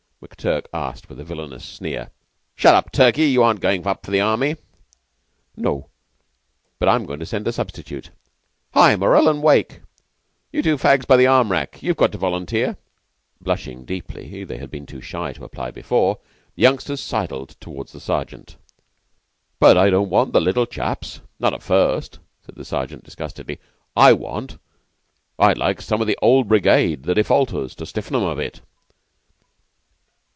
McTurk asked with a villainous sneer. "Shut up, Turkey. You aren't goin' up for the Army." "No, but I'm goin' to send a substitute. Hi! Morrell an' Wake! You two fags by the arm rack, you've got to volunteer." Blushing deeply they had been too shy to apply before the youngsters sidled towards the Sergeant. "But I don't want the little chaps not at first," said the Sergeant disgustedly. "I want I'd like some of the Old Brigade the defaulters to stiffen 'em a bit."